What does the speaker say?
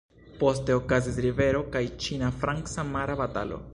Poste okazis ribelo kaj ĉina-franca mara batalo.